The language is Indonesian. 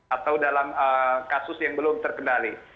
atau dalam kasus yang belum terkendali